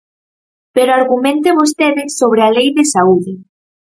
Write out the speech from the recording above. Pero argumente vostede sobre a Lei de saúde.